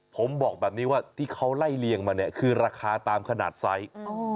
ผมบอกแบบนี้ว่าที่เขาไล่เลียงมาเนี่ยคือราคาตามขนาดไซส์